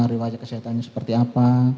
rakyat kesehatannya seperti apa